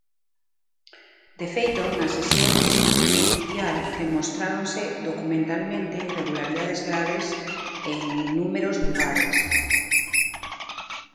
De feito, "na sesión de escrutinio oficial demostráronse documentalmente irregularidades graves en números lugares".